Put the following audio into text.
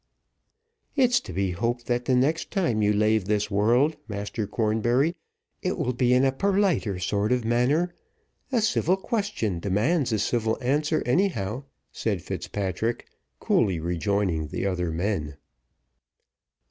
"It's to be hoped that the next time you lave this world, Master Cornbury, it will be in a purliter sort of manner. A civil question demands a civil answer anyhow," said Fitzpatrick, coolly rejoining the other men.